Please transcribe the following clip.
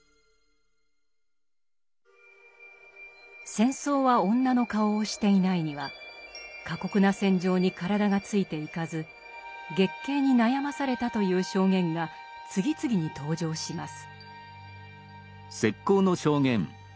「戦争は女の顔をしていない」には過酷な戦場に体がついていかず月経に悩まされたという証言が次々に登場します。